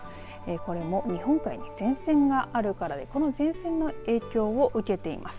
これも日本海に前線があるからこの前線の影響を受けています。